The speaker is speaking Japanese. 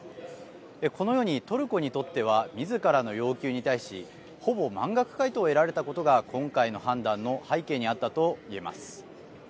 このように、トルコにとってはみずからの要求に対しほぼ満額回答を得られたことが今回の判断の背景にあったといえます。